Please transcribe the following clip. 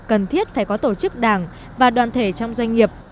cần thiết phải có tổ chức đảng và đoàn thể trong doanh nghiệp